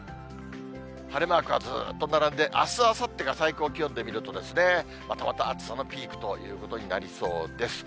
晴れマークがずっと並んで、あす、あさってが最高気温で見ると、またまた暑さのピークということになりそうです。